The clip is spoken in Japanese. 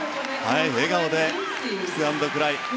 笑顔でキスアンドクライ。